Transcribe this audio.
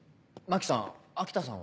牧さん